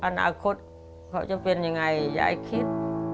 อนาคตเขาจะเป็นยังไงยายคิด